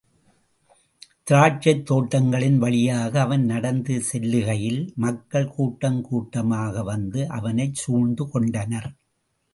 திராட்சைத் தோட்டங்களின் வழியாக அவன் நடந்து செல்லுகையில், மக்கள் கூட்டம் கூட்டமாக வந்து அவனைச் சூழ்ந்துகொண்டனர்.